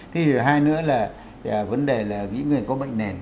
cái thứ hai nữa là vấn đề là những người có bệnh nền